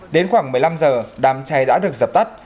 đến khoảng một mươi năm h đám cháy đã được dập tắt